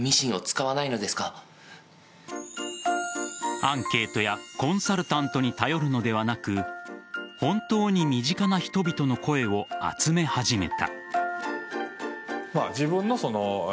アンケートやコンサルタントに頼るのではなく本当に身近な人々の声を集め始めた。